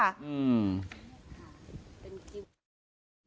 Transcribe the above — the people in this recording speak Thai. อืม